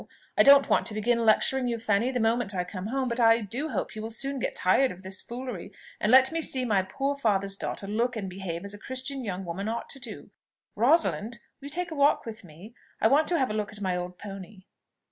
I don't want to begin lecturing you, Fanny, the moment I come home; but I do hope you will soon get tired of this foolery, and let me see my poor father's daughter look and behave as a Christian young woman ought to do. Rosalind, will you take a walk with me? I want to have a look at my old pony."